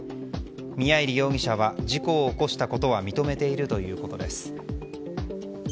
宮入容疑者は事故を起こしたことは認めているということです。